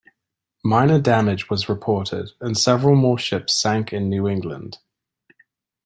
Minor damage was reported and several more ships sank in New England.